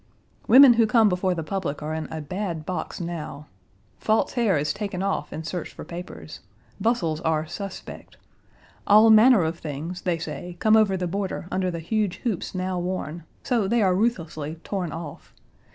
Women who come before the public are in a bad box now. False hair is taken off and searched for papers. Bustles are "suspect." All manner of things, they say, come over the border under the huge hoops now worn; so they are ruthlessly torn off.